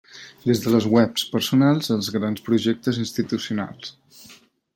Des de les webs personals als grans projectes institucionals.